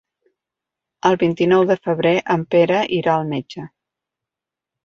El vint-i-nou de febrer en Pere irà al metge.